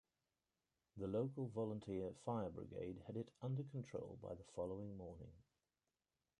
The local volunteer fire brigade had it under control by the following morning.